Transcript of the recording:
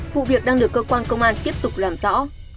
vụ việc đang được cơ quan công an tiếp tục làm rõ